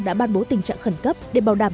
đã ban bố tình trạng khẩn cấp để bảo đảm